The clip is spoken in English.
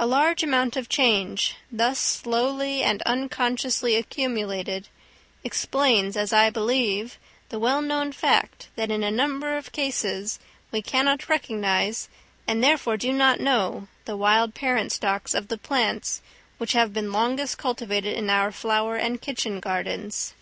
A large amount of change, thus slowly and unconsciously accumulated, explains, as I believe, the well known fact, that in a number of cases we cannot recognise, and therefore do not know, the wild parent stocks of the plants which have been longest cultivated in our flower and kitchen gardens.